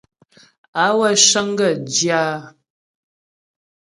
Awə̂ cəŋ gaə̂ zhyə áa.